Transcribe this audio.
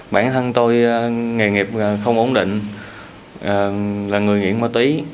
bản thân tôi nghề nghiệp không ổn định là người nghiện ma túy